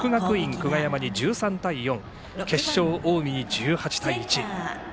久我山に１３対４決勝、近江に１８対１。